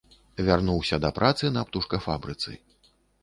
Вярнуўся да працы на птушкафабрыцы.